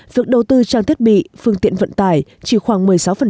việc đầu tư trang thiết bị phương tiện vận tải chỉ khoảng một mươi sáu